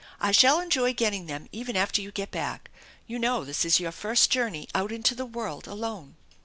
I shall enjoy getting them even after you get back. You know this is your first journey out into the world alone."